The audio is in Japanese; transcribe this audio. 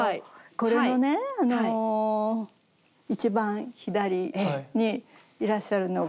これのね一番左にいらっしゃるのが。